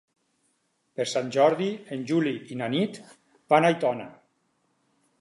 Per Sant Jordi en Juli i na Nit van a Aitona.